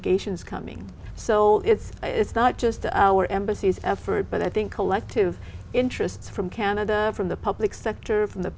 khi chúng ta có những công ty cộng đồng cộng đồng cộng đồng đến